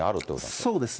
そうですね。